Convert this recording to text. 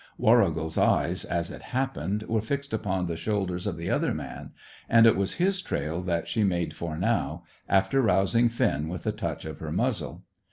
Warrigal's eyes, as it happened, were fixed upon the shoulders of the other man, and it was his trail that she made for now, after rousing Finn with a touch of her muzzle.